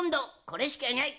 これしかない。